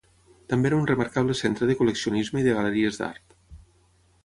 També era un remarcable centre de col·leccionisme i de galeries d'art.